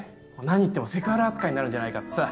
何言ってもセクハラ扱いになるんじゃないかってさ。